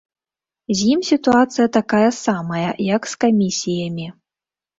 З ім сітуацыя такая самая, як з камісіямі.